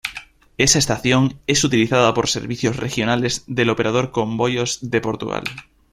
Esta estación es utilizada por servicios regionales del operador Comboios de Portugal.